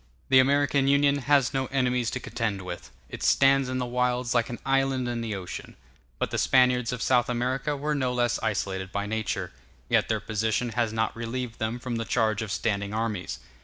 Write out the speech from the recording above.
The American Union has no enemies to contend with; it stands in the wilds like an island in the ocean. But the Spaniards of South America were no less isolated by nature; yet their position has not relieved them from the charge of standing armies.